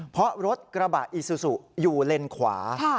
เพราะรถกระบะอีซูซูอยู่เลนขวา